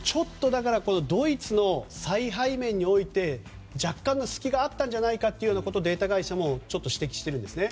ドイツの采配面において若干の隙があったんじゃないかとデータ会社もちょっと指摘してるんですね。